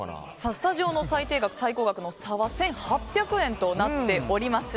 スタジオの最低額、最高額の差は１８００円となっております。